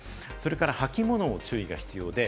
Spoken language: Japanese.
履物も注意が必要です。